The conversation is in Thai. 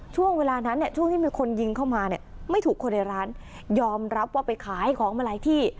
ช่วงเวลานั้นเนี่ยช่วงที่มีคนยิงเข้ามาเนี่ยไม่ถูกคนในร้านยอมรับว่าไปขายของมาหลายที่